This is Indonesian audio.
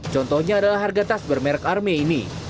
contohnya adalah harga tas bermerek arme ini